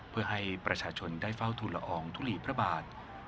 เพื่อให้ประชาชนได้เฝ้าทุนละอองทุลีพระบาท